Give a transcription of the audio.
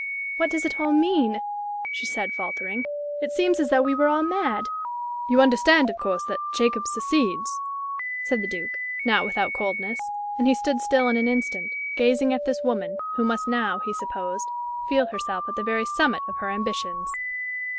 "What does it all mean?" she said, faltering. "It seems as though we were all mad." "You understand, of course, that Jacob succeeds?" said the Duke, not without coldness; and he stood still an instant, gazing at this woman, who must now, he supposed, feel herself at the very summit of her ambitions.